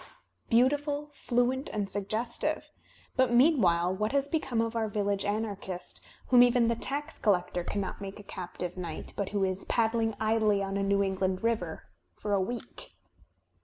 Beautiful, fluent, and suggestive! But meanwhile what has become of our village anarchist, whom even the tax collector cannot make a captive knight, but who is paddling idly on a New England river — for a week?